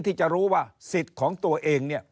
ที่จะรู้ว่าสิทธิ์ของตัวเอง